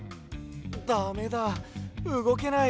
だめだうごけない。